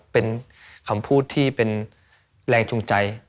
เป็นคำพูดที่เป็นแรงจูงใจ